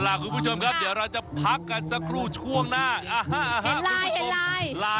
อร่อยคุณผู้ชมจะเราจะพักกันสักครู่ช่วงหน้าอ่ะฮะ